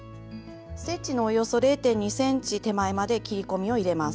ステッチのおよそ０．２ｃｍ手前まで切り込みを入れます。